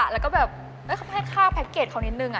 แล้วก็แบบเขาให้ค่าแพ็คเกจเขานิดนึง